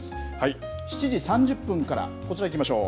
７時３０分からこちらいきましょう。